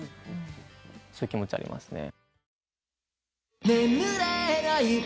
そういう気持ちありますね。